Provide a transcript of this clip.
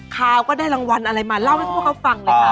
คาวก็ได้รางวัลอะไรมาเล่าให้พวกเขาฟังเลยค่ะ